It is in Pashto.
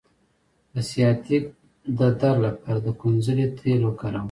د سیاتیک درد لپاره د کونځلې تېل وکاروئ